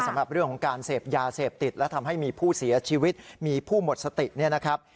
สำหรับเรื่องของการเสพยาเสพติดและทำให้มีผู้เสียชีวิตมีผู้หมดสติเนี่ยนะครับ